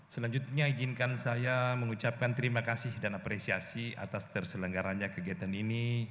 selanjutnya izinkan saya mengucapkan terima kasih dan apresiasi atas terselenggaranya kegiatan ini